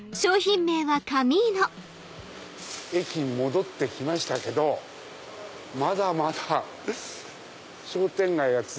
駅に戻って来ましたけどまだまだ商店街が続くようで。